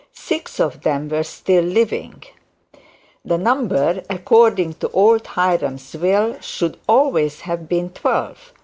Six of them were still living. The number, according to old Hiram's will, should always have been twelve.